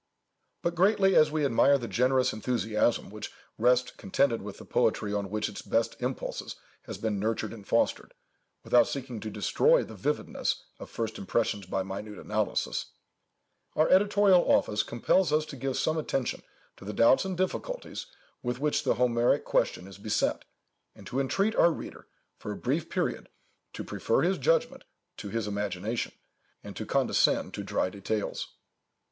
But, greatly as we admire the generous enthusiasm which rests contented with the poetry on which its best impulses had been nurtured and fostered, without seeking to destroy the vividness of first impressions by minute analysis—our editorial office compels us to give some attention to the doubts and difficulties with which the Homeric question is beset, and to entreat our reader, for a brief period, to prefer his judgment to his imagination, and to condescend to dry details.